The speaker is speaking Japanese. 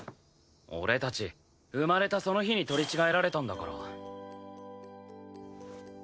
俺たち生まれたその日に取り違えられたんだから。